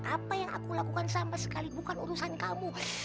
apa yang aku lakukan sama sekali bukan urusan kamu